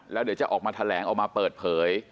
แล้วเดี๋ยวจะออกมาแถลงออกมาเปิดเผย